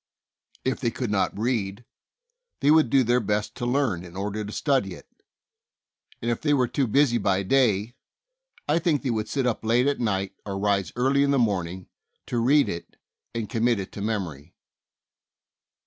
If they could not read, they would do their best to learn in order to study it, and if they were too busy by day, I think they would sit up late at night or rise early in the morning to read it and commit it to memory.